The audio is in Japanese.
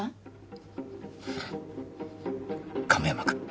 亀山君。